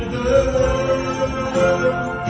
ดื่ม